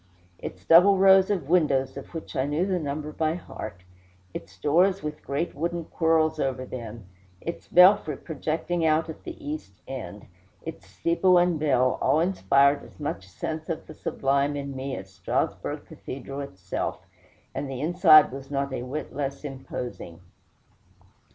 Its double rows of windows, of which I knew the number by heart, its doors with great wooden quirls over them, its belfry projecting out at the east end, its steeple and bell, all inspired as much sense of the sublime in me as Strasbourg Cathedral itself; and the inside was not a whit less imposing.